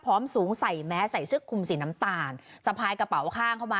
สูงใส่แม้ใส่เสื้อคุมสีน้ำตาลสะพายกระเป๋าข้างเข้ามา